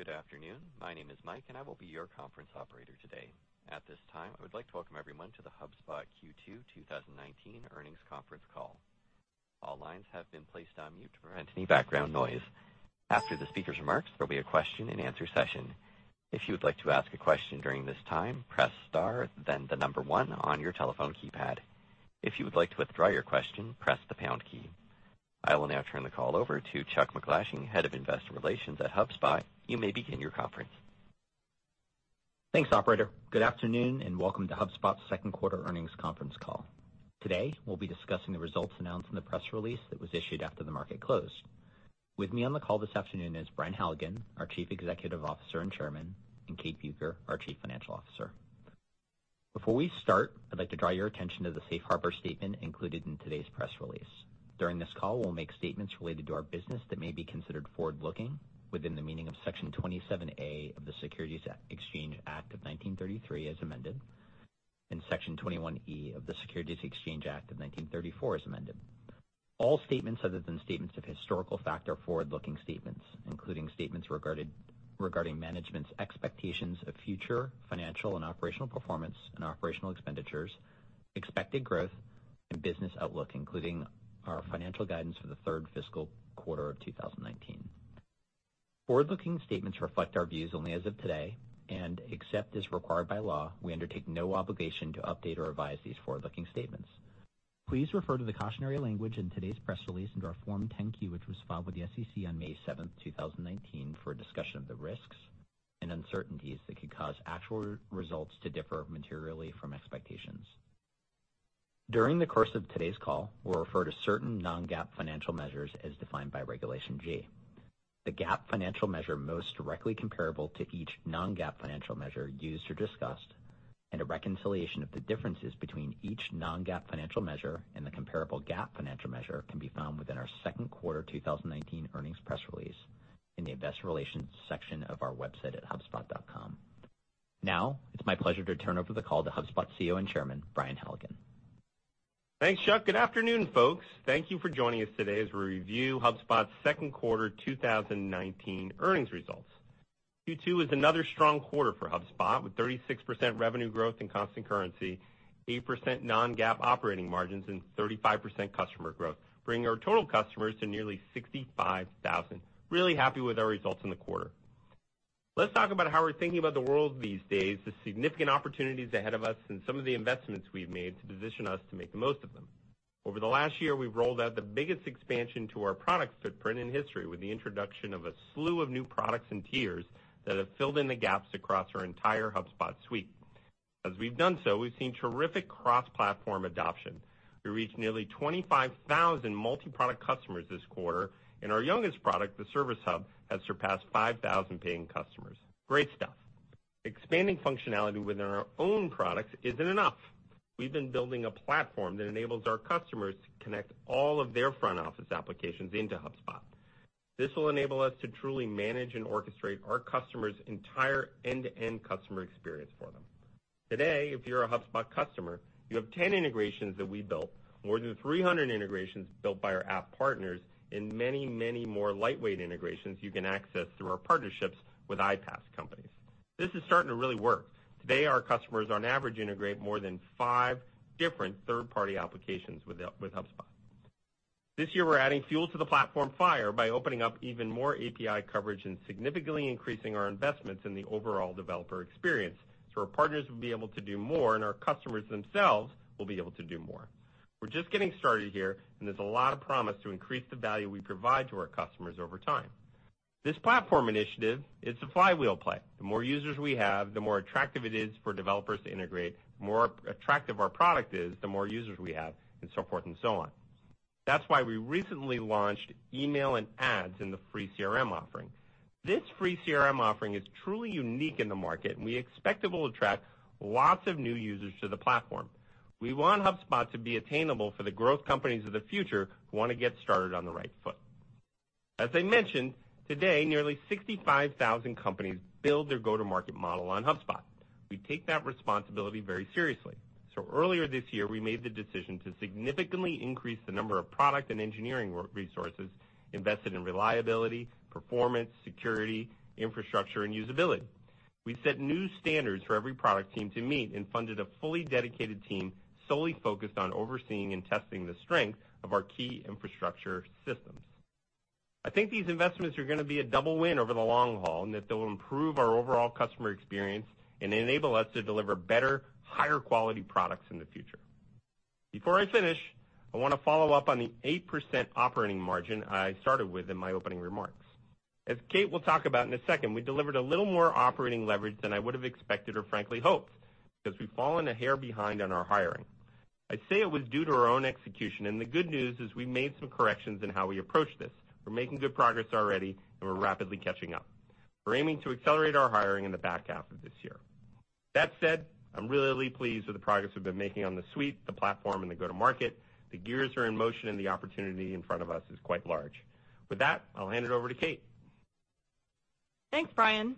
Good afternoon. My name is Mike, and I will be your conference operator today. At this time, I would like to welcome everyone to the HubSpot Q2 2019 earnings conference call. All lines have been placed on mute to prevent any background noise. After the speaker's remarks, there will be a question and answer session. If you would like to ask a question during this time, press star, then the number 1 on your telephone keypad. If you would like to withdraw your question, press the pound key. I will now turn the call over to Chuck MacGlashing, Head of Investor Relations at HubSpot. You may begin your conference. Thanks, operator. Good afternoon, welcome to HubSpot's second quarter earnings conference call. Today, we'll be discussing the results announced in the press release that was issued after the market closed. With me on the call this afternoon is Brian Halligan, our Chief Executive Officer and Chairman, and Kate Bueker, our Chief Financial Officer. Before we start, I'd like to draw your attention to the safe harbor statement included in today's press release. During this call, we'll make statements related to our business that may be considered forward-looking within the meaning of Section 27A of the Securities Act of 1933 as amended, and Section 21E of the Securities Exchange Act of 1934 as amended. All statements other than statements of historical fact are forward-looking statements, including statements regarding management's expectations of future financial and operational performance and operational expenditures, expected growth, and business outlook, including our financial guidance for the third fiscal quarter of 2019. Forward-looking statements reflect our views only as of today and except as required by law, we undertake no obligation to update or revise these forward-looking statements. Please refer to the cautionary language in today's press release and our Form 10-Q, which was filed with the SEC on May 7th, 2019, for a discussion of the risks and uncertainties that could cause actual results to differ materially from expectations. During the course of today's call, we'll refer to certain non-GAAP financial measures as defined by Regulation G. The GAAP financial measure most directly comparable to each non-GAAP financial measure used or discussed, and a reconciliation of the differences between each non-GAAP financial measure and the comparable GAAP financial measure can be found within our second quarter 2019 earnings press release in the investor relations section of our website at hubspot.com. It's my pleasure to turn over the call to HubSpot CEO and Chairman, Brian Halligan. Thanks, Chuck. Good afternoon, folks. Thank you for joining us today as we review HubSpot's second quarter 2019 earnings results. Q2 was another strong quarter for HubSpot, with 36% revenue growth in constant currency, 8% non-GAAP operating margins and 35% customer growth, bringing our total customers to nearly 65,000. Really happy with our results in the quarter. Let's talk about how we're thinking about the world these days, the significant opportunities ahead of us, and some of the investments we've made to position us to make the most of them. Over the last year, we've rolled out the biggest expansion to our product footprint in history with the introduction of a slew of new products and tiers that have filled in the gaps across our entire HubSpot suite. As we've done so, we've seen terrific cross-platform adoption. We reached nearly 25,000 multi-product customers this quarter, and our youngest product, the Service Hub, has surpassed 5,000 paying customers. Great stuff. Expanding functionality within our own products isn't enough. We've been building a platform that enables our customers to connect all of their front-office applications into HubSpot. This will enable us to truly manage and orchestrate our customers' entire end-to-end customer experience for them. Today, if you're a HubSpot customer, you have 10 integrations that we built, more than 300 integrations built by our app partners, and many, many more lightweight integrations you can access through our partnerships with iPaaS companies. This is starting to really work. Today, our customers on average integrate more than five different third-party applications with HubSpot. This year, we're adding fuel to the platform fire by opening up even more API coverage and significantly increasing our investments in the overall developer experience so our partners will be able to do more and our customers themselves will be able to do more. We're just getting started here, and there's a lot of promise to increase the value we provide to our customers over time. This platform initiative is a flywheel play. The more users we have, the more attractive it is for developers to integrate, the more attractive our product is, the more users we have, and so forth and so on. That's why we recently launched email and ads in the free CRM offering. This free CRM offering is truly unique in the market, and we expect it will attract lots of new users to the platform. We want HubSpot to be attainable for the growth companies of the future who want to get started on the right foot. As I mentioned, today nearly 65,000 companies build their go-to-market model on HubSpot. We take that responsibility very seriously. Earlier this year, we made the decision to significantly increase the number of product and engineering resources invested in reliability, performance, security, infrastructure, and usability. We set new standards for every product team to meet and funded a fully dedicated team solely focused on overseeing and testing the strength of our key infrastructure systems. I think these investments are going to be a double win over the long haul, and that they'll improve our overall customer experience and enable us to deliver better, higher quality products in the future. Before I finish, I want to follow up on the 8% operating margin I started with in my opening remarks. As Kate will talk about in a second, we delivered a little more operating leverage than I would have expected or frankly hoped because we've fallen a hair behind on our hiring. I'd say it was due to our own execution, and the good news is we made some corrections in how we approach this. We're making good progress already, and we're rapidly catching up. We're aiming to accelerate our hiring in the back half of this year. That said, I'm really pleased with the progress we've been making on the suite, the platform, and the go-to-market. The gears are in motion, and the opportunity in front of us is quite large. With that, I'll hand it over to Kate. Thanks, Brian.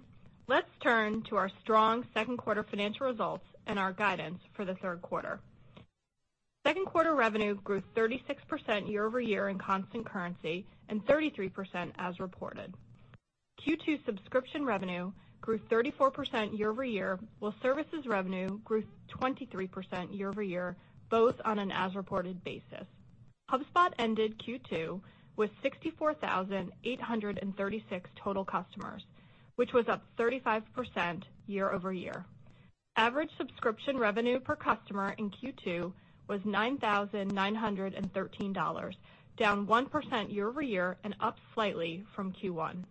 Let's turn to our strong second quarter financial results and our guidance for the third quarter. Second quarter revenue grew 36% year-over-year in constant currency and 33% as reported. Q2 subscription revenue grew 34% year-over-year, while services revenue grew 23% year-over-year, both on an as reported basis. HubSpot ended Q2 with 64,836 total customers, which was up 35% year-over-year. Average subscription revenue per customer in Q2 was $9,913, down 1% year-over-year and up slightly from Q1.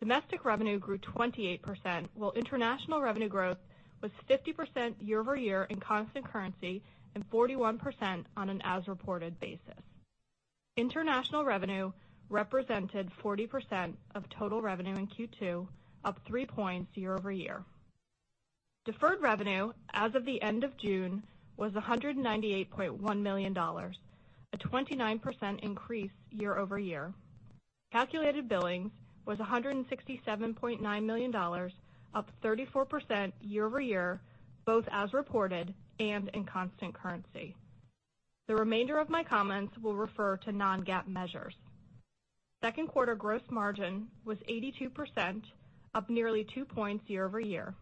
Domestic revenue grew 28%, while international revenue growth was 50% year-over-year in constant currency and 41% on an as reported basis. International revenue represented 40% of total revenue in Q2, up three points year-over-year. Deferred revenue as of the end of June was $198.1 million, a 29% increase year-over-year. Calculated billings was $167.9 million, up 34% year-over-year, both as reported and in constant currency. The remainder of my comments will refer to non-GAAP measures. Second quarter gross margin was 82%, up nearly two points year-over-year.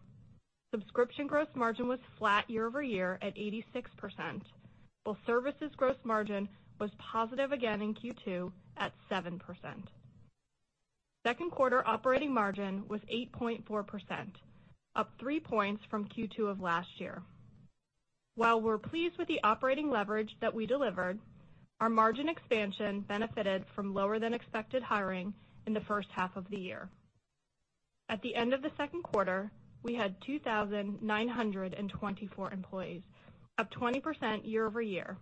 Subscription gross margin was flat year-over-year at 86%, while services gross margin was positive again in Q2 at 7%. Second quarter operating margin was 8.4%, up three points from Q2 of last year. While we're pleased with the operating leverage that we delivered, our margin expansion benefited from lower than expected hiring in the first half of the year. At the end of the second quarter, we had 2,924 employees, up 20% year-over-year.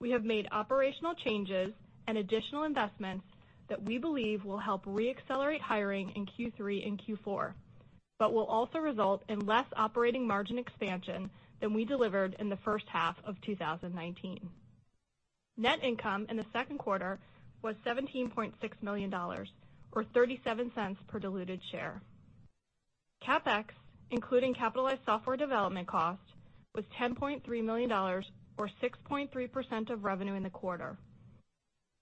We have made operational changes and additional investments that we believe will help re-accelerate hiring in Q3 and Q4, but will also result in less operating margin expansion than we delivered in the first half of 2019. Net income in the second quarter was $17.6 million or $0.37 per diluted share. CapEx, including capitalized software development cost, was $10.3 million or 6.3% of revenue in the quarter.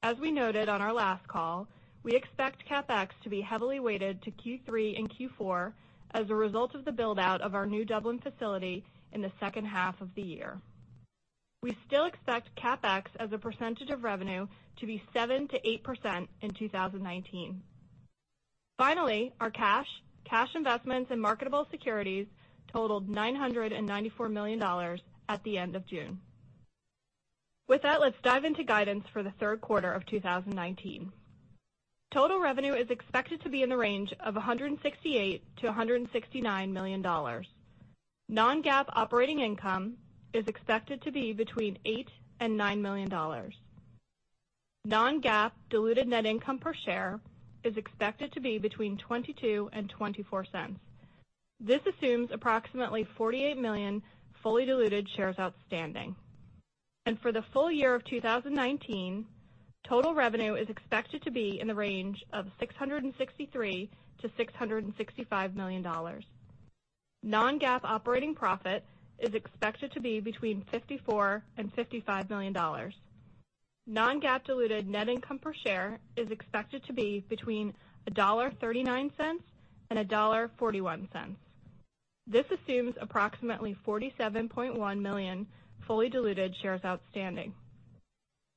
As we noted on our last call, we expect CapEx to be heavily weighted to Q3 and Q4 as a result of the build-out of our new Dublin facility in the second half of the year. We still expect CapEx as a percentage of revenue to be 7%-8% in 2019. Finally, our cash investments, and marketable securities totaled $994 million at the end of June. With that, let's dive into guidance for the third quarter of 2019. Total revenue is expected to be in the range of $168 million-$169 million. Non-GAAP operating income is expected to be between $8 million and $9 million. Non-GAAP diluted net income per share is expected to be between $0.22 and $0.24. This assumes approximately 48 million fully diluted shares outstanding. For the full year of 2019, total revenue is expected to be in the range of $663 million-$665 million. Non-GAAP operating profit is expected to be between $54 million and $55 million. Non-GAAP diluted net income per share is expected to be between $1.39 and $1.41. This assumes approximately 47.1 million fully diluted shares outstanding.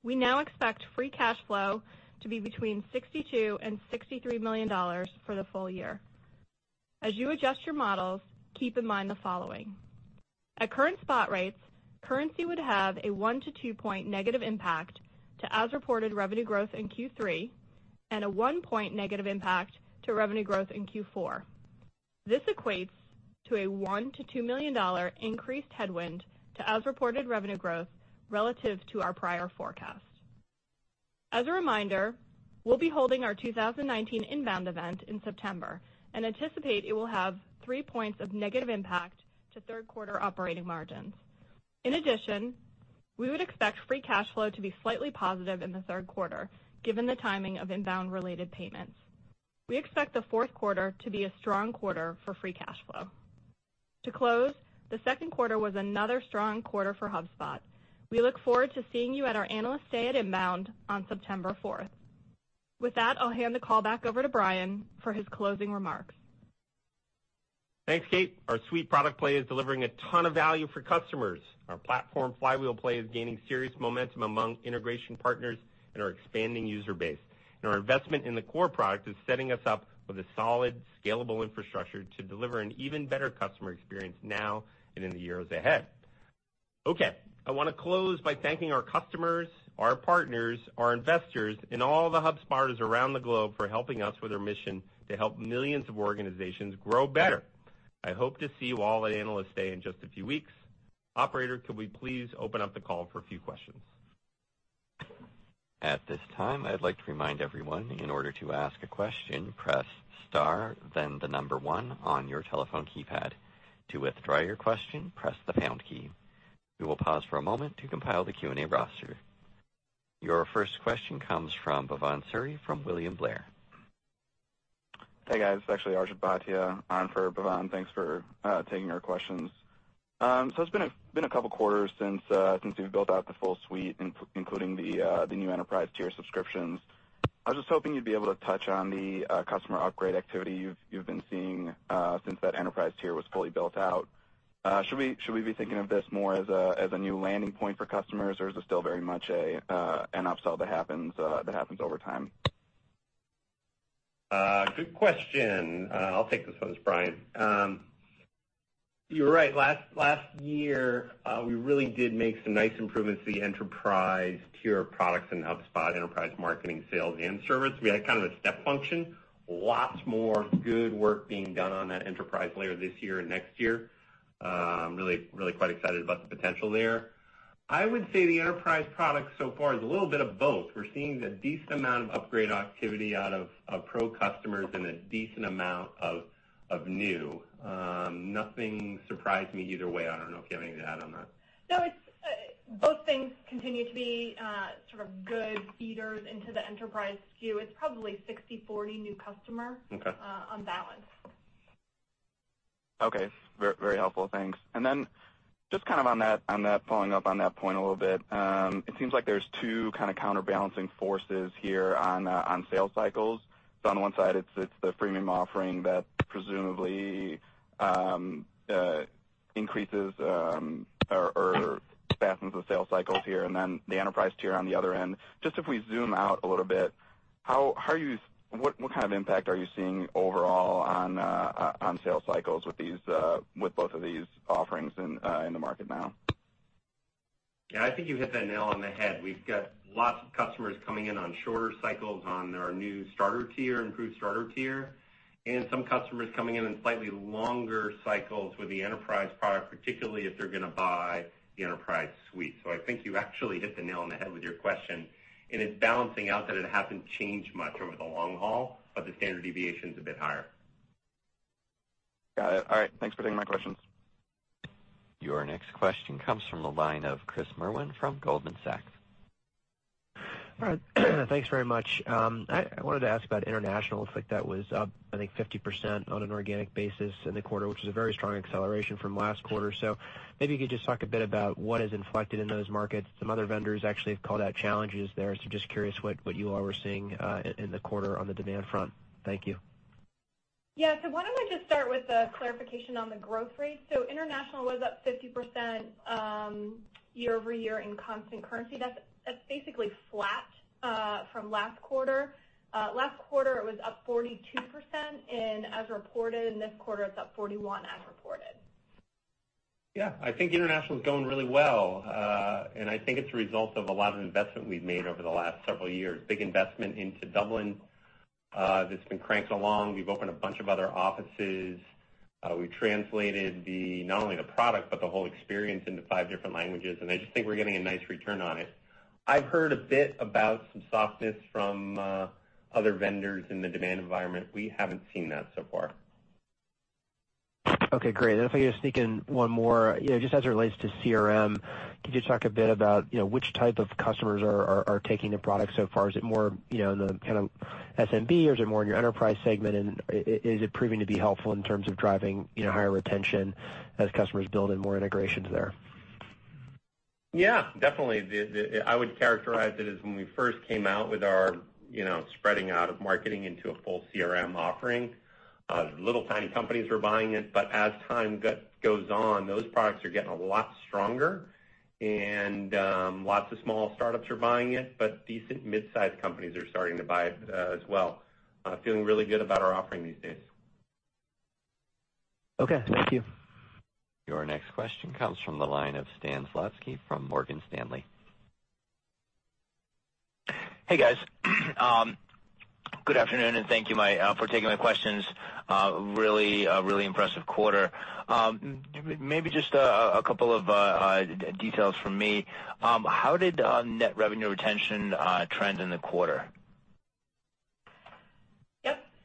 We now expect free cash flow to be between $62 million and $63 million for the full year. As you adjust your models, keep in mind the following. At current spot rates, currency would have a 1 to 2-point negative impact to as-reported revenue growth in Q3 and a 1-point negative impact to revenue growth in Q4. This equates to a $1 million-$2 million increased headwind to as-reported revenue growth relative to our prior forecast. As a reminder, we'll be holding our 2019 INBOUND event in September and anticipate it will have three points of negative impact to third quarter operating margins. In addition, we would expect free cash flow to be slightly positive in the third quarter, given the timing of INBOUND-related payments. We expect the fourth quarter to be a strong quarter for free cash flow. To close, the second quarter was another strong quarter for HubSpot. We look forward to seeing you at our Analyst Day at INBOUND on September 4th. With that, I'll hand the call back over to Brian for his closing remarks. Thanks, Kate. Our suite product play is delivering a ton of value for customers. Our platform flywheel play is gaining serious momentum among integration partners and our expanding user base. Our investment in the core product is setting us up with a solid, scalable infrastructure to deliver an even better customer experience now and in the years ahead. Okay, I want to close by thanking our customers, our partners, our investors, and all the HubSporters around the globe for helping us with our mission to help millions of organizations grow better. I hope to see you all at Analyst Day in just a few weeks. Operator, could we please open up the call for a few questions? At this time, I'd like to remind everyone, in order to ask a question, press star, then the number one on your telephone keypad. To withdraw your question, press the pound key. We will pause for a moment to compile the Q&A roster Your first question comes from Bhavan Suri from William Blair. Hey, guys. It's actually Arjun Bhatia on for Bhavan. Thanks for taking our questions. It's been a couple quarters since you've built out the full suite, including the new enterprise tier subscriptions. I was just hoping you'd be able to touch on the customer upgrade activity you've been seeing since that enterprise tier was fully built out. Should we be thinking of this more as a new landing point for customers, or is this still very much an upsell that happens over time? Good question. I'll take this one, it's Brian. You were right. Last year, we really did make some nice improvements to the enterprise tier products in HubSpot, enterprise marketing, sales, and service. We had kind of a step function. Lots more good work being done on that enterprise layer this year and next year. I'm really quite excited about the potential there. I would say the enterprise product so far is a little bit of both. We're seeing a decent amount of upgrade activity out of Pro customers and a decent amount of new. Nothing surprised me either way. I don't know if you have anything to add on that. No, both things continue to be sort of good feeders into the enterprise queue. It's probably 60/40 new customer. Okay on balance. Okay. Very helpful. Thanks. Just kind of following up on that point a little bit, it seems like there's two kind of counterbalancing forces here on sales cycles. On one side, it's the freemium offering that presumably increases, or fastens the sales cycles here, and then the enterprise tier on the other end. Just if we zoom out a little bit, what kind of impact are you seeing overall on sales cycles with both of these offerings in the market now? Yeah, I think you hit that nail on the head. We've got lots of customers coming in on shorter cycles on our new starter tier, improved starter tier, and some customers coming in on slightly longer cycles with the enterprise product, particularly if they're going to buy the enterprise suite. I think you actually hit the nail on the head with your question, and it's balancing out that it hasn't changed much over the long haul, but the standard deviation's a bit higher. Got it. All right. Thanks for taking my questions. Your next question comes from the line of Chris Merwin from Goldman Sachs. All right, thanks very much. I wanted to ask about international. It looks like that was up, I think, 50% on an organic basis in the quarter, which is a very strong acceleration from last quarter. Maybe you could just talk a bit about what is inflected in those markets. Some other vendors actually have called out challenges there, so just curious what you all were seeing in the quarter on the demand front. Thank you. Why don't I just start with a clarification on the growth rate. International was up 50% year-over-year in constant currency. That's basically flat from last quarter. Last quarter, it was up 42% as reported. This quarter, it's up 41% as reported. I think international's going really well, and I think it's a result of a lot of investment we've made over the last several years. Big investment into Dublin that's been cranking along. We've opened a bunch of other offices. We've translated not only the product, but the whole experience into five different languages. I just think we're getting a nice return on it. I've heard a bit about some softness from other vendors in the demand environment. We haven't seen that so far. Okay, great. If I could just sneak in one more, just as it relates to CRM, could you talk a bit about which type of customers are taking the product so far? Is it more in the kind of SMB, or is it more in your enterprise segment, and is it proving to be helpful in terms of driving higher retention as customers build in more integrations there? Yeah, definitely. I would characterize it as when we first came out with our spreading out of marketing into a full CRM offering, little, tiny companies were buying it. As time goes on, those products are getting a lot stronger, and lots of small startups are buying it, but decent mid-size companies are starting to buy as well. Feeling really good about our offering these days. Okay, thank you. Your next question comes from the line of Stan Zlotsky from Morgan Stanley. Hey, guys. Good afternoon and thank you for taking my questions. Really impressive quarter. Maybe just a couple of details from me. How did net revenue retention trend in the quarter?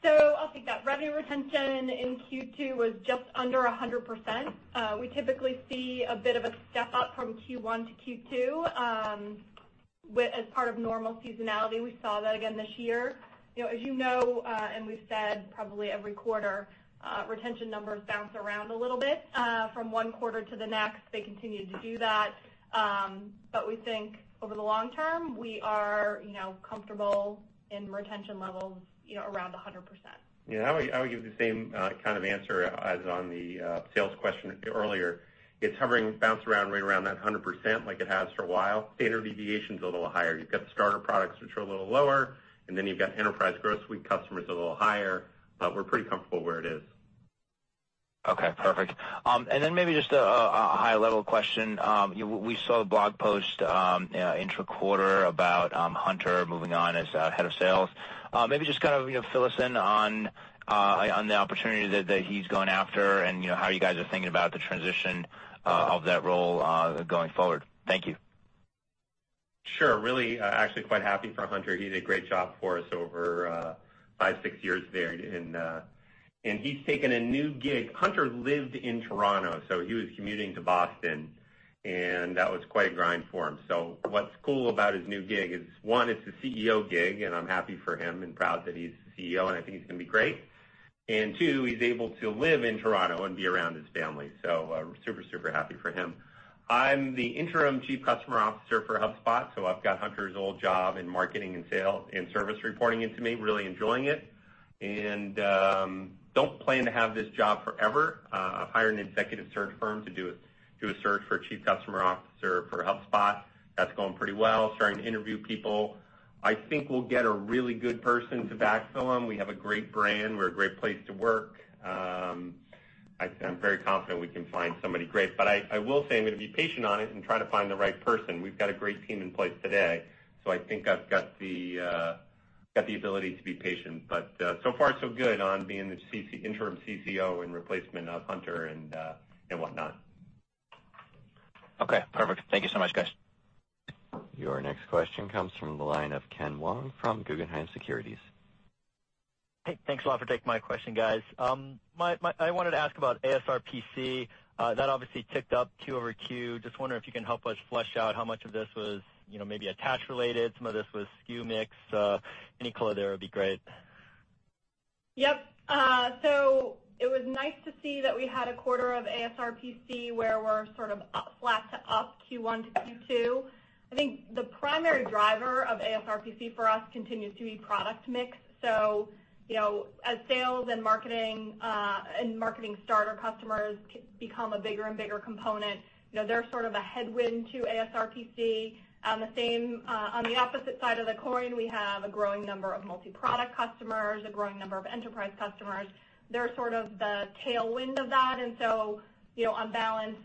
Yep. I'll take that. Revenue retention in Q2 was just under 100%. We typically see a bit of a step-up from Q1 to Q2, as part of normal seasonality. We saw that again this year. As you know, and we've said probably every quarter, retention numbers bounce around a little bit. From one quarter to the next, they continue to do that. We think over the long term, we are comfortable in retention levels around 100%. Yeah, I would give the same kind of answer as on the sales question earlier. It's hovering, bounce around right around that 100%, like it has for a while. Standard deviation's a little higher. You've got the starter products, which are a little lower, and then you've got Enterprise Growth Suite customers a little higher, but we're pretty comfortable where it is. Okay, perfect. Maybe just a high-level question. We saw the blog post intra-quarter about Hunter moving on as head of sales. Maybe just kind of fill us in on the opportunity that he's going after and how you guys are thinking about the transition of that role going forward. Thank you. Sure. Really, actually quite happy for Hunter. He did a great job for us over five, six years there, and he's taken a new gig. Hunter lived in Toronto. He was commuting to Boston. That was quite a grind for him. What's cool about his new gig is, one, it's a CEO gig, and I'm happy for him and proud that he's the CEO, and I think he's going to be great. Two, he's able to live in Toronto and be around his family. Super happy for him. I'm the interim Chief Customer Officer for HubSpot, so I've got Hunter's old job in marketing and sales and service reporting into me, really enjoying it, and don't plan to have this job forever. I've hired an executive search firm to do a search for Chief Customer Officer for HubSpot. That's going pretty well, starting to interview people. I think we'll get a really good person to backfill him. We have a great brand. We're a great place to work. I'm very confident we can find somebody great. I will say I'm going to be patient on it and try to find the right person. We've got a great team in place today, I think I've got the ability to be patient, so far so good on being the interim CCO in replacement of Hunter and whatnot. Okay, perfect. Thank you so much, guys. Your next question comes from the line of Ken Wong from Guggenheim Securities. Hey, thanks a lot for taking my question, guys. I wanted to ask about ARPC. That obviously ticked up Q over Q. Just wondering if you can help us flesh out how much of this was maybe attach related, some of this was SKU mix. Any color there would be great. Yep. It was nice to see that we had a quarter of ARPC where we're sort of flat to up Q1 to Q2. I think the primary driver of ARPC for us continues to be product mix. As sales and marketing starter customers become a bigger and bigger component, they're sort of a headwind to ARPC. On the opposite side of the coin, we have a growing number of multi-product customers, a growing number of enterprise customers. They're sort of the tailwind of that. On balance,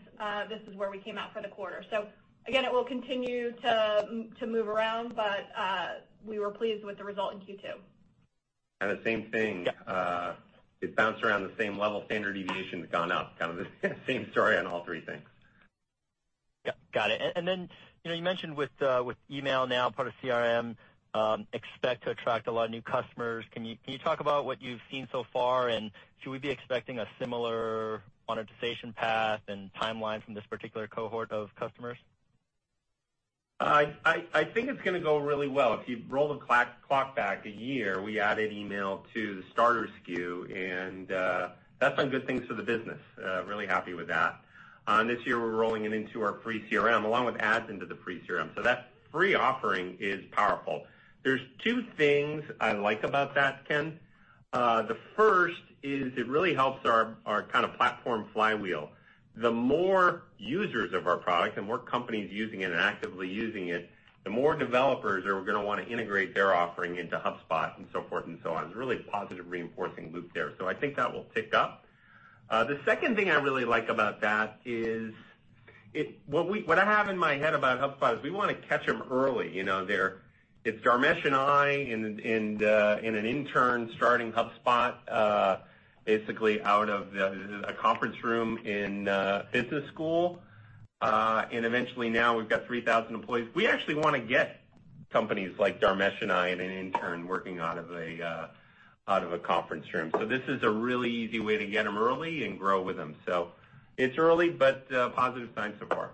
this is where we came out for the quarter. Again, it will continue to move around, but we were pleased with the result in Q2. The same thing. Yeah. It bounced around the same level. Standard deviation's gone up, kind of the same story on all three things. Got it. You mentioned with email now part of CRM, expect to attract a lot of new customers. Can you talk about what you've seen so far, and should we be expecting a similar monetization path and timeline from this particular cohort of customers? I think it's going to go really well. If you roll the clock back a year, we added email to the starter SKU, and that's done good things for the business. Really happy with that. This year, we're rolling it into our free CRM, along with ads into the free CRM. That free offering is powerful. There's two things I like about that, Ken. The first is it really helps our kind of platform flywheel. The more users of our product, the more companies using it and actively using it, the more developers are going to want to integrate their offering into HubSpot, and so forth and so on. It's a really positive reinforcing loop there. I think that will tick up. The second thing I really like about that is, what I have in my head about HubSpot is we want to catch them early. It's Dharmesh and I and an intern starting HubSpot basically out of a conference room in business school. Eventually, now we've got 3,000 employees. We actually want to get companies like Dharmesh and I and an intern working out of a conference room. This is a really easy way to get them early and grow with them. It's early, but positive signs so far.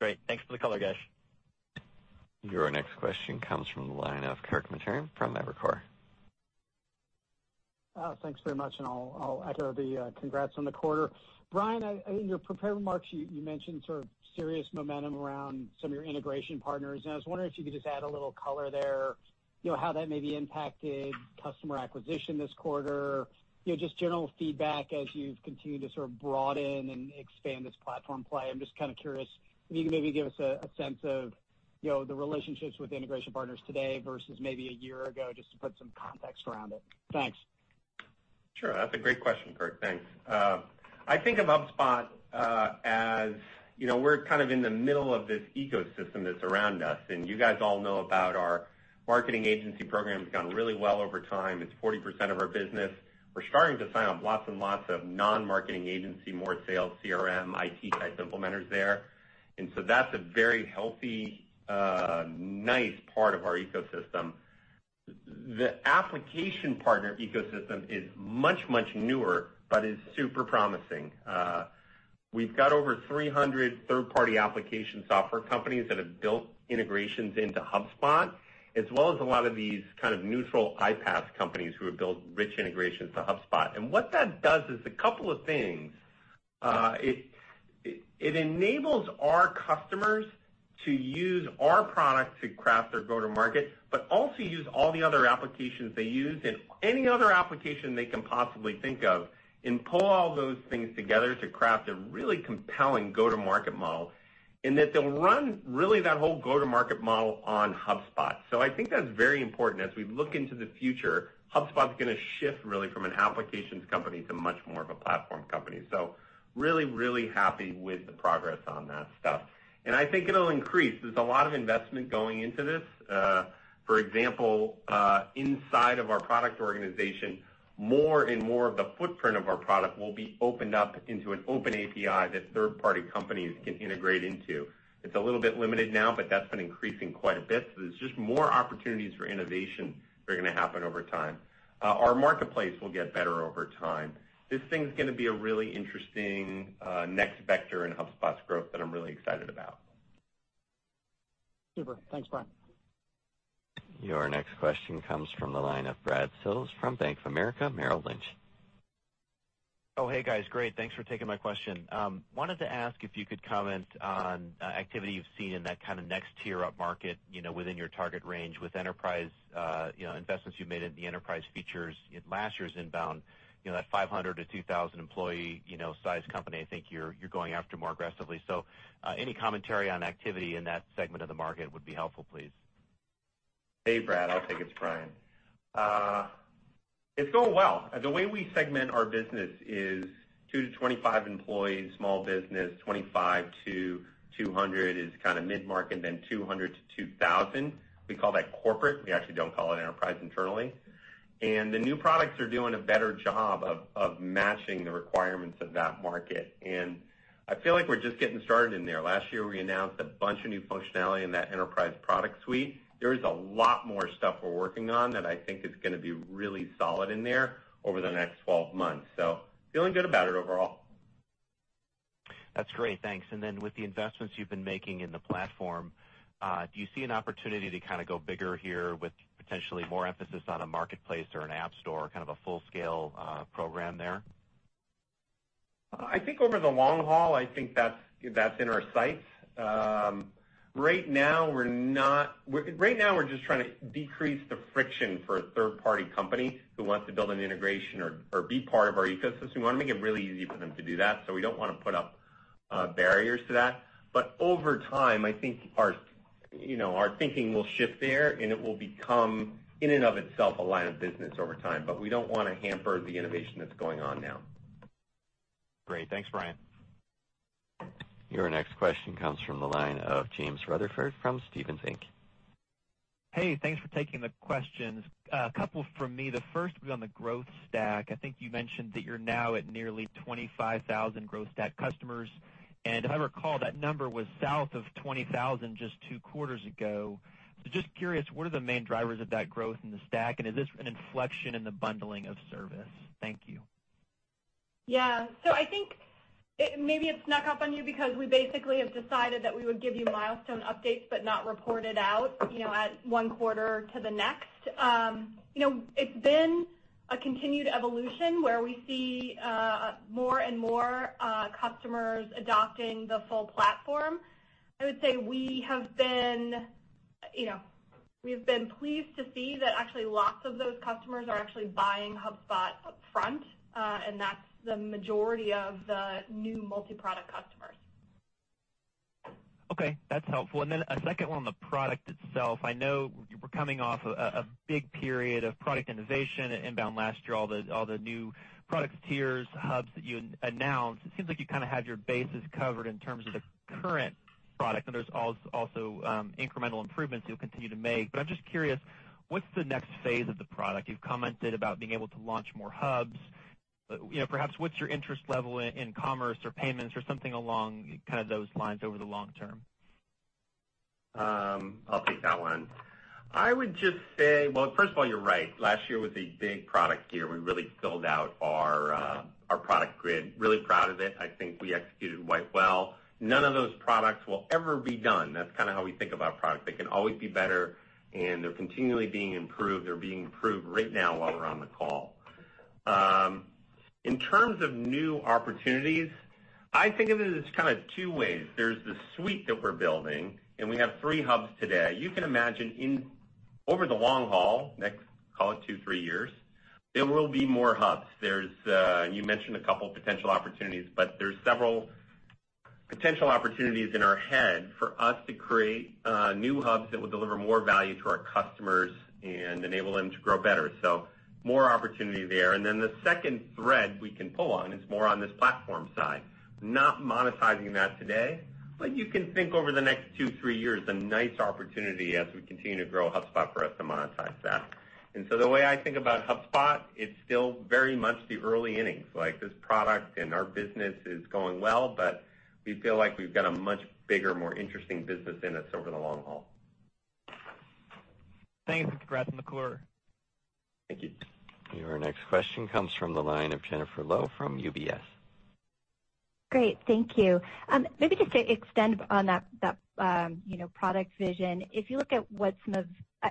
Great. Thanks for the color, guys. Your next question comes from the line of Kirk Materne from Evercore. Thanks very much, and I'll echo the congrats on the quarter. Brian, in your prepared remarks, you mentioned sort of serious momentum around some of your integration partners. I was wondering if you could just add a little color there, how that maybe impacted customer acquisition this quarter. Just general feedback as you've continued to sort of broaden and expand this platform play. I'm just kind of curious if you can maybe give us a sense of the relationships with integration partners today versus maybe a year ago, just to put some context around it. Thanks. Sure. That's a great question, Kirk. Thanks. I think of HubSpot as we're kind of in the middle of this ecosystem that's around us, and you guys all know about our marketing agency program. It's gone really well over time. It's 40% of our business. We're starting to sign up lots and lots of non-marketing agency, more sales, CRM, IT type implementers there. That's a very healthy, nice part of our ecosystem. The application partner ecosystem is much, much newer, but is super promising. We've got over 300 third-party application software companies that have built integrations into HubSpot, as well as a lot of these kind of neutral iPaaS companies who have built rich integrations to HubSpot. What that does is a couple of things. It enables our customers to use our product to craft their go-to market, but also use all the other applications they use and any other application they can possibly think of and pull all those things together to craft a really compelling go-to market model, and that they'll run really that whole go-to market model on HubSpot. I think that's very important. As we look into the future, HubSpot's going to shift really from an applications company to much more of a platform company. Really, really happy with the progress on that stuff. I think it'll increase. There's a lot of investment going into this. For example, inside of our product organization, more and more of the footprint of our product will be opened up into an open API that third-party companies can integrate into. It's a little bit limited now, but that's been increasing quite a bit. There's just more opportunities for innovation that are going to happen over time. Our marketplace will get better over time. This thing's going to be a really interesting next vector in HubSpot's growth that I'm really excited about. Super. Thanks, Brian. Your next question comes from the line of Brad Sills from Bank of America Merrill Lynch. Oh, hey, guys. Great. Thanks for taking my question. Wanted to ask if you could comment on activity you've seen in that kind of next tier up market, within your target range with enterprise, investments you made in the enterprise features in last year's INBOUND, that 500-2,000 employee, size company, I think you're going after more aggressively. Any commentary on activity in that segment of the market would be helpful, please. Hey, Brad. I'll take it. It's Brian. It's going well. The way we segment our business is two to 25 employees, small business, 25 to 200 is kind of mid-market, then 200 to 2,000, we call that corporate. We actually don't call it enterprise internally. The new products are doing a better job of matching the requirements of that market. I feel like we're just getting started in there. Last year, we announced a bunch of new functionality in that enterprise product suite. There is a lot more stuff we're working on that I think is going to be really solid in there over the next 12 months. Feeling good about it overall. That's great. Thanks. With the investments you've been making in the platform, do you see an opportunity to kind of go bigger here with potentially more emphasis on a marketplace or an app store, kind of a full-scale program there? I think over the long haul, I think that's in our sights. Right now we're just trying to decrease the friction for a third-party company who wants to build an integration or be part of our ecosystem. We want to make it really easy for them to do that, so we don't want to put up barriers to that. Over time, I think our thinking will shift there, and it will become in and of itself a line of business over time, but we don't want to hamper the innovation that's going on now. Great. Thanks, Brian. Your next question comes from the line of James Rutherford from Stephens Inc. Hey, thanks for taking the questions. A couple from me. The first will be on the growth stack. I think you mentioned that you're now at nearly 25,000 growth stack customers, and if I recall, that number was south of 20,000 just two quarters ago. Just curious, what are the main drivers of that growth in the stack, and is this an inflection in the bundling of service? Thank you. Yeah. I think maybe it snuck up on you because we basically have decided that we would give you milestone updates, but not report it out, at one quarter to the next. It's been a continued evolution where we see more and more customers adopting the full platform. I would say we have been pleased to see that actually, lots of those customers are actually buying HubSpot upfront. That's the majority of the new multi-product customers. Okay, that's helpful. Then a second one on the product itself. I know we're coming off a big period of product innovation at INBOUND last year, all the new product tiers, hubs that you announced. It seems like you kind of had your bases covered in terms of the current product, and there's also incremental improvements you'll continue to make. I'm just curious, what's the next phase of the product? You've commented about being able to launch more hubs. Perhaps what's your interest level in commerce or payments or something along kind of those lines over the long term? I'll take that one. I would just say Well, first of all, you're right. Last year was a big product year. We really filled out our product grid, really proud of it. I think we executed quite well. None of those products will ever be done. That's kind of how we think about products. They can always be better, and they're continually being improved. They're being improved right now while we're on the call. In terms of new opportunities, I think of it as kind of two ways. There's the suite that we're building, and we have three hubs today. You can imagine over the long haul, next, call it two, three years, there will be more hubs. You mentioned a couple potential opportunities. There's several potential opportunities in our head for us to create new Hubs that will deliver more value to our customers and enable them to grow better. More opportunity there. The second thread we can pull on is more on this platform side. Not monetizing that today, you can think over the next two, three years, a nice opportunity as we continue to grow HubSpot for us to monetize that. The way I think about HubSpot, it's still very much the early innings, like this product and our business is going well, we feel like we've got a much bigger, more interesting business in us over the long haul. Thanks. Congrats on the quarter. Thank you. Your next question comes from the line of Jennifer Lowe from UBS. Great. Thank you. Maybe just to extend on that product vision. If you look at what some of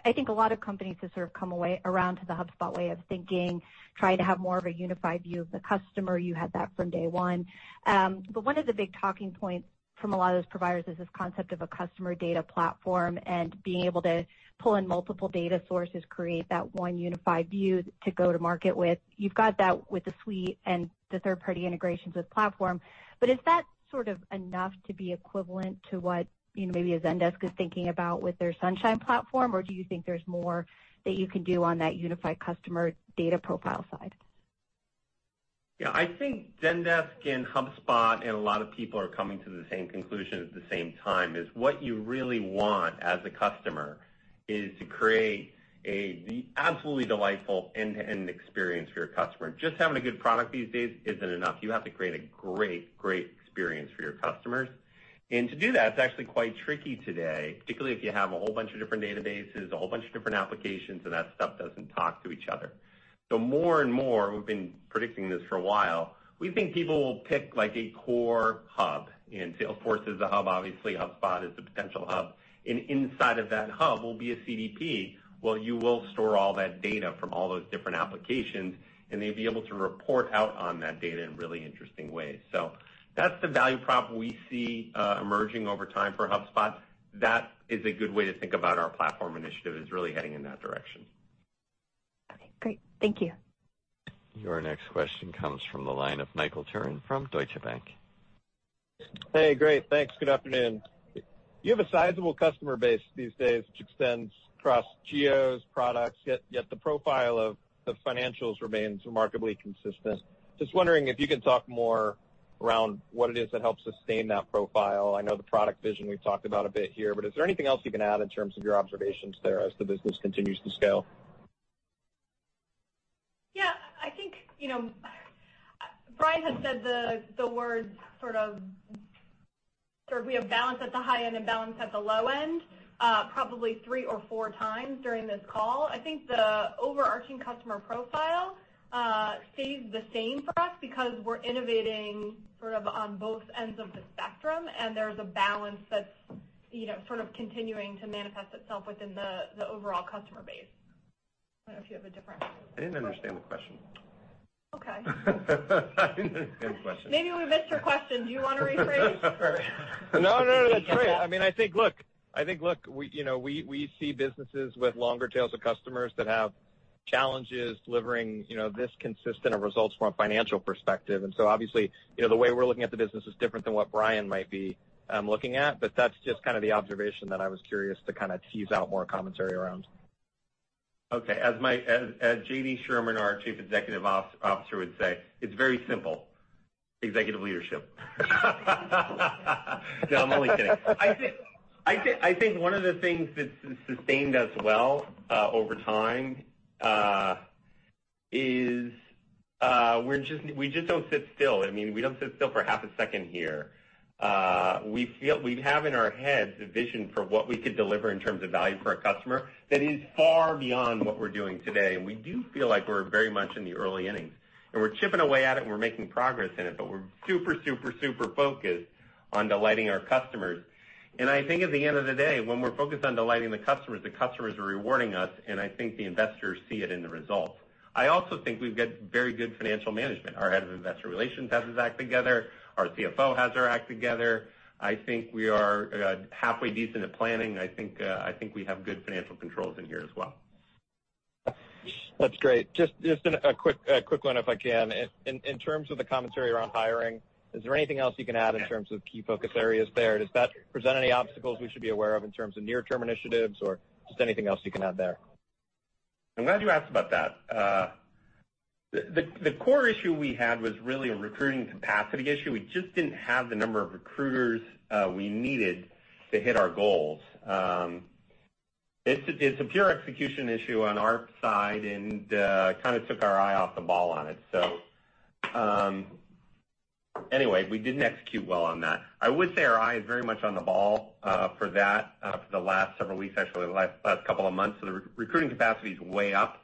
I think a lot of companies have sort of come around to the HubSpot way of thinking, trying to have more of a unified view of the customer. You had that from day one. One of the big talking points from a lot of those providers is this concept of a customer data platform and being able to pull in multiple data sources, create that one unified view to go to market with. You've got that with the suite and the third-party integrations with platform, but is that sort of enough to be equivalent to what maybe a Zendesk is thinking about with their Sunshine platform, or do you think there's more that you can do on that unified customer data profile side? I think Zendesk and HubSpot and a lot of people are coming to the same conclusion at the same time, is what you really want as a customer is to create a absolutely delightful end-to-end experience for your customer. Just having a good product these days isn't enough. You have to create a great experience for your customers. To do that, it's actually quite tricky today, particularly if you have a whole bunch of different databases, a whole bunch of different applications, and that stuff doesn't talk to each other. More and more, we've been predicting this for a while, we think people will pick like a core hub, and Salesforce is a hub, obviously, HubSpot is a potential hub, and inside of that hub will be a CDP, where you will store all that data from all those different applications, and they'd be able to report out on that data in really interesting ways. That's the value prop we see emerging over time for HubSpot. That is a good way to think about our platform initiative, is really heading in that direction. Great. Thank you. Your next question comes from the line of Michael Turrin from Deutsche Bank. Hey, great. Thanks. Good afternoon. You have a sizable customer base these days which extends across geos, products, yet the profile of the financials remains remarkably consistent. Just wondering if you can talk more around what it is that helps sustain that profile. I know the product vision we've talked about a bit here, but is there anything else you can add in terms of your observations there as the business continues to scale? Yeah. Brian has said the words sort of we have balance at the high end and balance at the low end probably three or four times during this call. I think the overarching customer profile stays the same for us because we're innovating sort of on both ends of the spectrum, and there's a balance that's sort of continuing to manifest itself within the overall customer base. I don't know if you have a different- I didn't understand the question. Okay. I didn't understand the question. Maybe we missed your question. Do you want to rephrase? No, that's great. I think, look, we see businesses with longer tails of customers that have challenges delivering this consistent of results from a financial perspective. Obviously, the way we're looking at the business is different than what Brian might be looking at. That's just kind of the observation that I was curious to kind of tease out more commentary around. Okay. As J.D. Sherman, our Chief Executive Officer, would say, "It's very simple, executive leadership." No, I'm only kidding. I think one of the things that's sustained us well over time is we just don't sit still. We don't sit still for half a second here. We have in our heads a vision for what we could deliver in terms of value for our customer that is far beyond what we're doing today, and we do feel like we're very much in the early innings. We're chipping away at it, and we're making progress in it, but we're super focused on delighting our customers. I think at the end of the day, when we're focused on delighting the customers, the customers are rewarding us, and I think the investors see it in the results. I also think we've got very good financial management. Our head of investor relations has his act together. Our CFO has her act together. I think we are halfway decent at planning. I think we have good financial controls in here as well. That's great. Just a quick one if I can. In terms of the commentary around hiring, is there anything else you can add in terms of key focus areas there? Does that present any obstacles we should be aware of in terms of near-term initiatives, or just anything else you can add there? I'm glad you asked about that. The core issue we had was really a recruiting capacity issue. We just didn't have the number of recruiters we needed to hit our goals. It's a pure execution issue on our side and kind of took our eye off the ball on it. Anyway, we didn't execute well on that. I would say our eye is very much on the ball for that for the last several weeks, actually the last couple of months. The recruiting capacity is way up.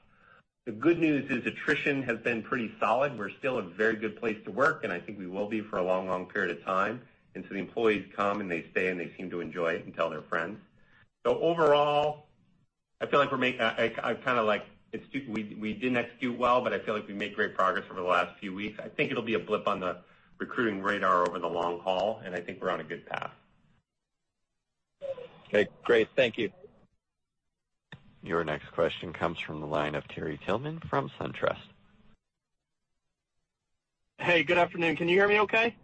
The good news is attrition has been pretty solid. We're still a very good place to work, and I think we will be for a long period of time. The employees come, and they stay, and they seem to enjoy it and tell their friends. Overall, we didn't execute well, but I feel like we made great progress over the last few weeks. I think it'll be a blip on the recruiting radar over the long haul, and I think we're on a good path. Okay, great. Thank you. Your next question comes from the line of Terry Tillman from SunTrust. Hey, good afternoon. Can you hear me okay?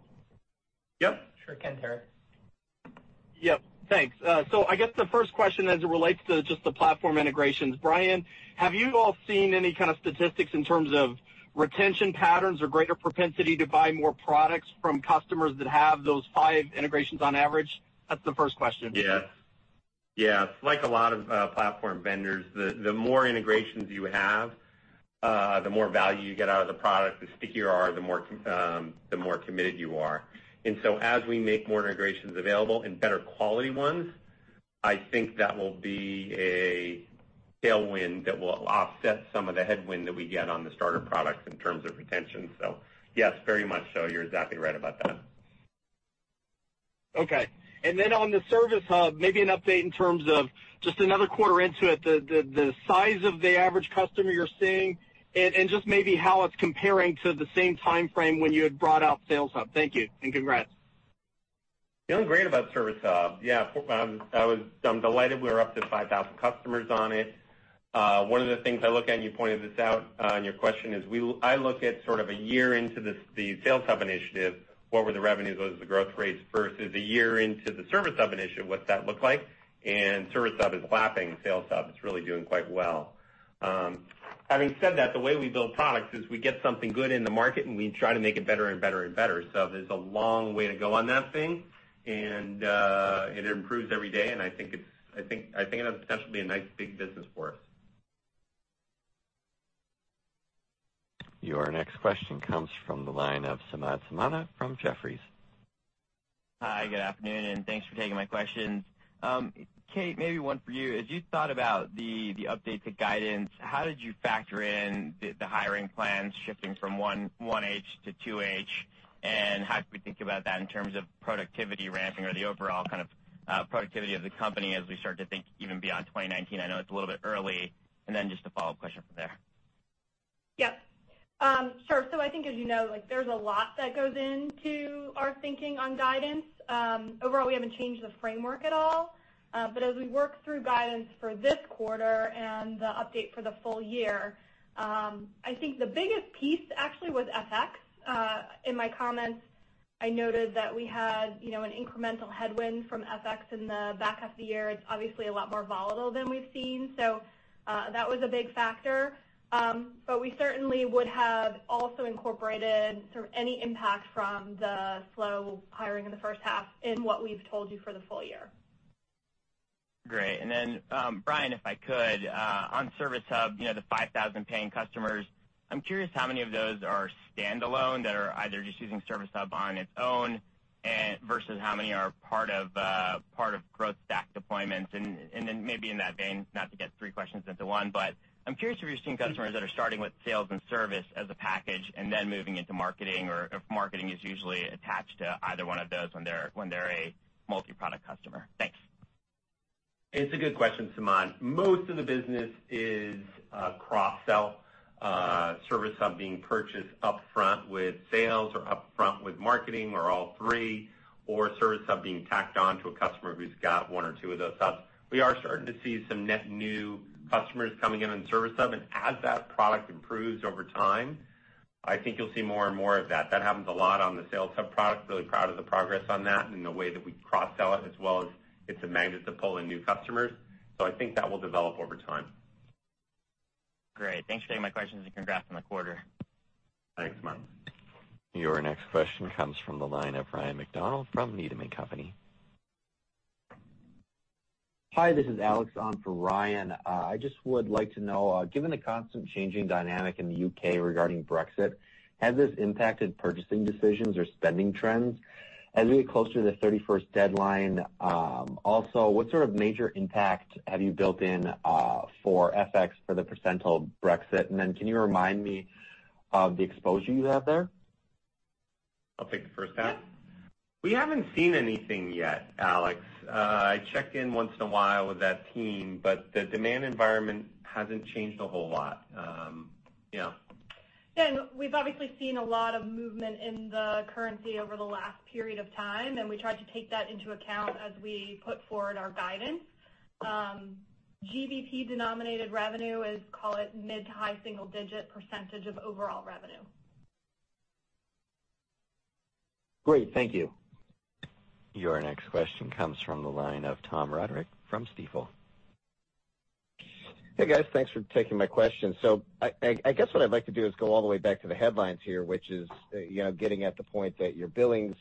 Yep. Sure can, Terry. Yep. Thanks. I guess the first question as it relates to just the platform integrations, Brian, have you all seen any kind of statistics in terms of retention patterns or greater propensity to buy more products from customers that have those five integrations on average? That's the first question. Yes. Like a lot of platform vendors, the more integrations you have, the more value you get out of the product, the stickier you are, the more committed you are. As we make more integrations available and better quality ones, I think that will be a tailwind that will offset some of the headwind that we get on the starter products in terms of retention. Yes, very much so. You're exactly right about that. Okay. On the Service Hub, maybe an update in terms of just another quarter into it, the size of the average customer you're seeing and just maybe how it's comparing to the same timeframe when you had brought out Sales Hub. Thank you and congrats. Feeling great about Service Hub. Yeah, I'm delighted we're up to 5,000 customers on it. One of the things I look at, and you pointed this out in your question, is I look at sort of a year into the Sales Hub initiative, what were the revenues, what was the growth rates, versus a year into the Service Hub initiative, what's that look like? Service Hub is lapping Sales Hub. It's really doing quite well. Having said that, the way we build products is we get something good in the market, and we try to make it better and better. There's a long way to go on that thing, and it improves every day, and I think it has the potential to be a nice, big business for us. Your next question comes from the line of Samad Samana from Jefferies. Hi, good afternoon, and thanks for taking my questions. Kate, maybe one for you. As you thought about the update to guidance, how did you factor in the hiring plans shifting from one H to two H, and how should we think about that in terms of productivity ramping or the overall kind of productivity of the company as we start to think even beyond 2019? I know it's a little bit early. Then just a follow-up question from there. Yep. Sure. I think as you know, there's a lot that goes into our thinking on guidance. Overall, we haven't changed the framework at all. As we work through guidance for this quarter and the update for the full year, I think the biggest piece actually was FX. In my comments, I noted that we had an incremental headwind from FX in the back half of the year. It's obviously a lot more volatile than we've seen. That was a big factor. We certainly would have also incorporated sort of any impact from the slow hiring in the first half in what we've told you for the full year. Great. Brian, if I could, on Service Hub, the 5,000 paying customers, I'm curious how many of those are standalone that are either just using Service Hub on its own, versus how many are part of growth stack deployments? Maybe in that vein, not to get three questions into one, but I'm curious if you're seeing customers that are starting with Sales Hub and Service Hub as a package and then moving into Marketing Hub, or if Marketing Hub is usually attached to either one of those when they're a multi-product customer. Thanks. It's a good question, Samana. Most of the business is a cross-sell. Service Hub being purchased upfront with Sales or upfront with Marketing or all three, or Service Hub being tacked on to a customer who's got one or two of those hubs. We are starting to see some net new customers coming in on Service Hub. As that product improves over time, I think you'll see more and more of that. That happens a lot on the Sales Hub product. Really proud of the progress on that and the way that we cross-sell it, as well as it's a magnet to pull in new customers. I think that will develop over time. Great. Thanks for taking my questions, and congrats on the quarter. Thanks, Samad. Your next question comes from the line of Ryan MacDonald from Needham and Company. Hi, this is Alex on for Ryan. I just would like to know, given the constant changing dynamic in the U.K. regarding Brexit, has this impacted purchasing decisions or spending trends as we get closer to the 31st deadline? Also, what sort of major impact have you built in for FX for the potential Brexit? Can you remind me of the exposure you have there? I'll take the first half. We haven't seen anything yet, Alex. I check in once in a while with that team, but the demand environment hasn't changed a whole lot. Yeah. We've obviously seen a lot of movement in the currency over the last period of time, and we tried to take that into account as we put forward our guidance. GBP-denominated revenue is, call it, mid to high single-digit percentage of overall revenue. Great. Thank you. Your next question comes from the line of Tom Roderick from Stifel. Hey, guys. Thanks for taking my question. I guess what I'd like to do is go all the way back to the headlines here, which is getting at the point that your billings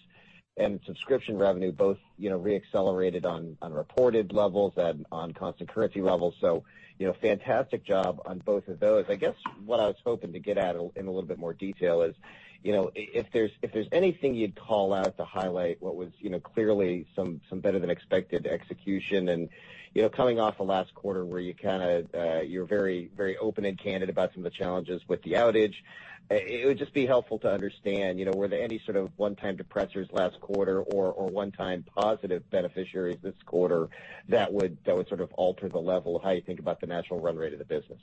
and subscription revenue both re-accelerated on reported levels and on constant currency levels. Fantastic job on both of those. I guess what I was hoping to get at in a little bit more detail is, if there's anything you'd call out to highlight what was clearly some better-than-expected execution and coming off of last quarter where you're very open and candid about some of the challenges with the outage. It would just be helpful to understand, were there any sort of one-time depressors last quarter or one-time positive beneficiaries this quarter that would sort of alter the level of how you think about the natural run rate of the business?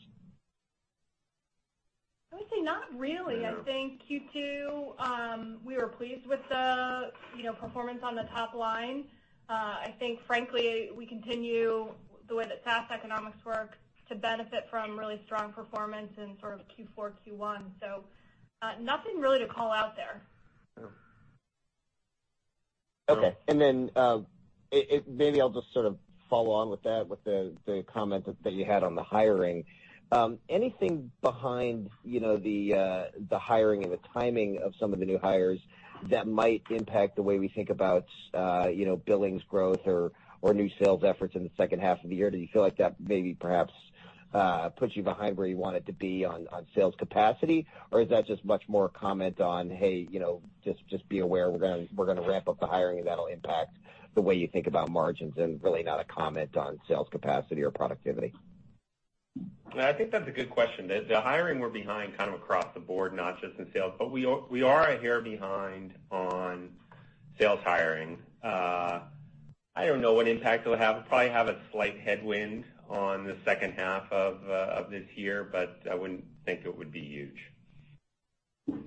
I would say not really. I think Q2, we were pleased with the performance on the top line. I think frankly, we continue the way that SaaS economics work to benefit from really strong performance in sort of Q4, Q1. Nothing really to call out there. Okay. Maybe I'll just sort of follow on with that, with the comment that you had on the hiring. Anything behind the hiring and the timing of some of the new hires that might impact the way we think about billings growth or new sales efforts in the second half of the year? Do you feel like that maybe perhaps puts you behind where you wanted to be on sales capacity? Is that just much more a comment on, hey, just be aware we're going to ramp up the hiring and that'll impact the way you think about margins and really not a comment on sales capacity or productivity? I think that's a good question. The hiring we're behind kind of across the board, not just in sales, but we are a hair behind on sales hiring. I don't know what impact it'll have. It'll probably have a slight headwind on the second half of this year, but I wouldn't think it would be huge.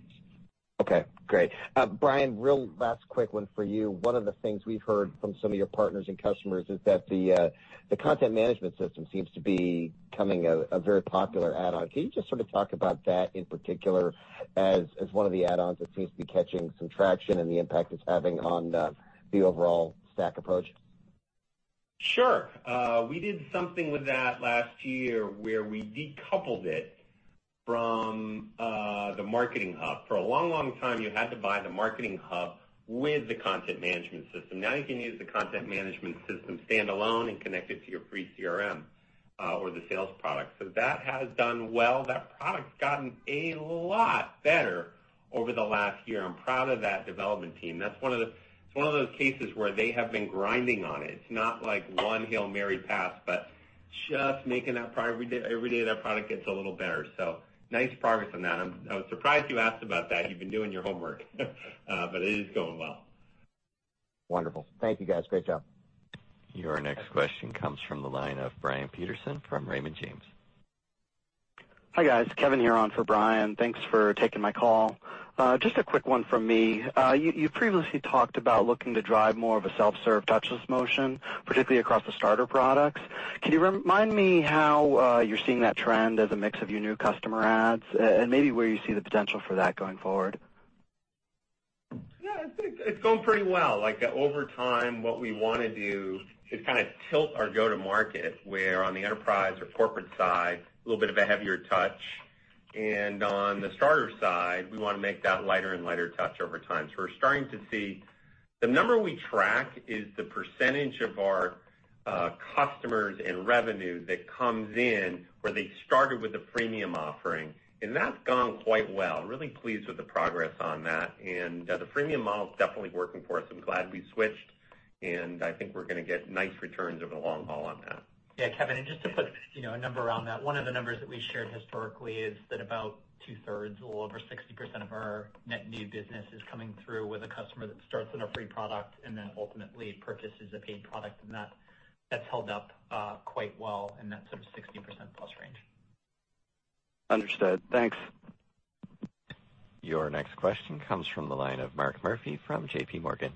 Okay, great. Brian, real last quick one for you. One of the things we've heard from some of your partners and customers is that the content management system seems to be becoming a very popular add-on. Can you just sort of talk about that in particular as one of the add-ons that seems to be catching some traction and the impact it's having on the overall stack approach? Sure. We did something with that last year where we decoupled it from the Marketing Hub. For a long, long time, you had to buy the Marketing Hub with the content management system. Now you can use the content management system standalone and connect it to your free CRM, or the Sales Hub. That has done well. That product's gotten a lot better over the last year. I'm proud of that development team. That's one of those cases where they have been grinding on it. It's not like one Hail Mary pass, but just making that product. Every day, that product gets a little better. Nice progress on that. I was surprised you asked about that. You've been doing your homework. It is going well. Wonderful. Thank you, guys. Great job. Your next question comes from the line of Brian Peterson from Raymond James. Hi, guys. Kevin here on for Brian. Thanks for taking my call. Just a quick one from me. You previously talked about looking to drive more of a self-serve touchless motion, particularly across the starter products. Can you remind me how you're seeing that trend as a mix of your new customer adds and maybe where you see the potential for that going forward? Yeah, I think it's going pretty well. Over time, what we want to do is kind of tilt our go-to-market, where on the enterprise or corporate side, a little bit of a heavier touch, and on the starter side, we want to make that lighter and lighter touch over time. The number we track is the percentage of our customers and revenue that comes in, where they started with a premium offering. That's gone quite well. Really pleased with the progress on that. The premium model's definitely working for us. I'm glad we switched, and I think we're going to get nice returns over the long haul on that. Yeah, Kevin, just to put a number around that, one of the numbers that we shared historically is that about two-thirds or over 60% of our net new business is coming through with a customer that starts on a free product and then ultimately purchases a paid product. That's held up quite well in that sort of 60%-plus range. Understood. Thanks. Your next question comes from the line of Mark Murphy from J.P. Morgan.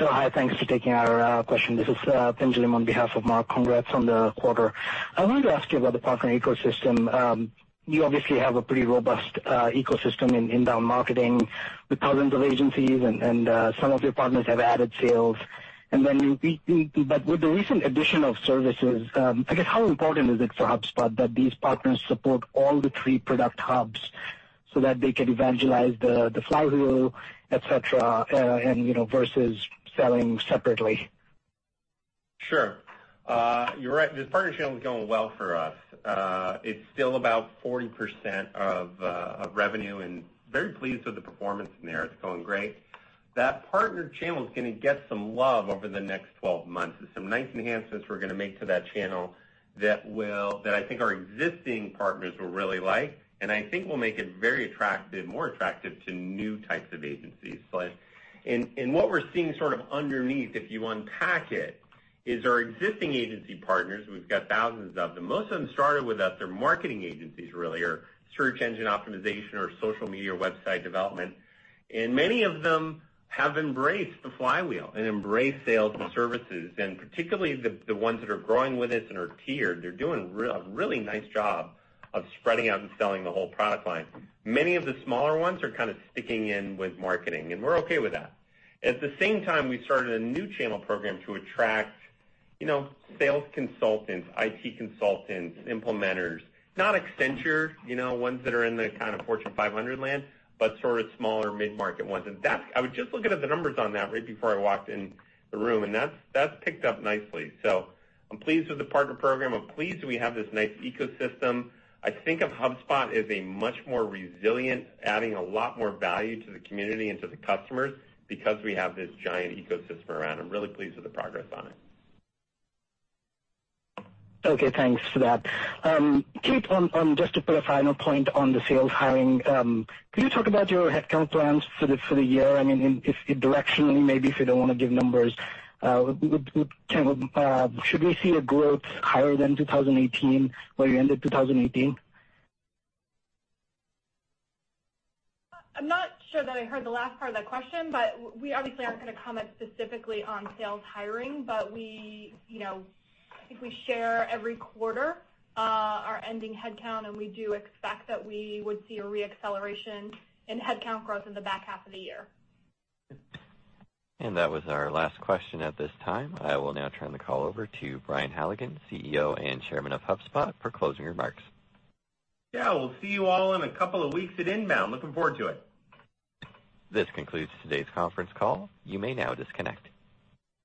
Hi, thanks for taking our question. This is Pinjalim on behalf of Mark, congrats on the quarter. I wanted to ask you about the partner ecosystem. You obviously have a pretty robust ecosystem in inbound marketing with thousands of agencies and some of your partners have added sales. With the recent addition of services, I guess, how important is it for HubSpot that these partners support all the three product hubs so that they can evangelize the flywheel, et cetera, versus selling separately? Sure. You're right. This partner channel is going well for us. It's still about 40% of revenue, very pleased with the performance in there. It's going great. That partner channel's going to get some love over the next 12 months. There's some nice enhancements we're going to make to that channel that I think our existing partners will really like, I think will make it very attractive, more attractive to new types of agencies. What we're seeing sort of underneath, if you unpack it, is our existing agency partners, we've got thousands of them. Most of them started with us, they're marketing agencies, really, or search engine optimization or social media website development. Many of them have embraced the flywheel and embraced sales and services, particularly the ones that are growing with us and are tiered. They're doing a really nice job of spreading out and selling the whole product line. Many of the smaller ones are kind of sticking in with marketing, and we're okay with that. At the same time, we started a new channel program to attract sales consultants, IT consultants, implementers, not Accenture, ones that are in the kind of Fortune 500 land, but sort of smaller mid-market ones. I was just looking at the numbers on that right before I walked in the room, and that's picked up nicely. I'm pleased with the partner program. I'm pleased that we have this nice ecosystem. I think of HubSpot as a much more resilient, adding a lot more value to the community and to the customers because we have this giant ecosystem around. I'm really pleased with the progress on it. Okay, thanks for that. Kate, just to put a final point on the sales hiring, could you talk about your headcount plans for the year? Directionally, maybe if you don't want to give numbers, should we see a growth higher than 2018, where you ended 2018? I'm not sure that I heard the last part of that question, but we obviously aren't going to comment specifically on sales hiring. I think we share every quarter our ending headcount, and we do expect that we would see a re-acceleration in headcount growth in the back half of the year. That was our last question at this time. I will now turn the call over to Brian Halligan, CEO and Chairman of HubSpot, for closing remarks. Yeah, we'll see you all in a couple of weeks at INBOUND. Looking forward to it. This concludes today's conference call. You may now disconnect.